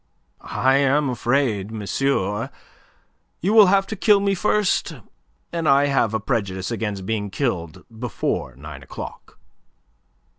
"I am afraid, monsieur, you will have to kill me first, and I have a prejudice against being killed before nine o'clock."